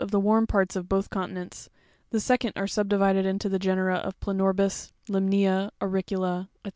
the warm parts of both continents: the second are subdivided into the genera of PLanorsis, Limnama, AuricuLa, &c.